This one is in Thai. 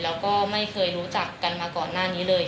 แล้วก็ไม่เคยรู้จักกันมาก่อนหน้านี้เลย